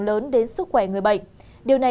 lớn đến sức khỏe người bệnh điều này